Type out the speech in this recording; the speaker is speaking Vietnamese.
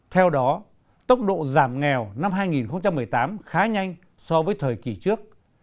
theo đó tốc độ giảm nghèo năm hai nghìn một mươi tám khá nhanh so với thời kỳ trước